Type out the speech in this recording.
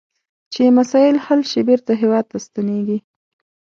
چې مسایل حل شي بیرته هیواد ته ستنیږي.